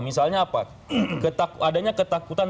misalnya apa adanya ketakutan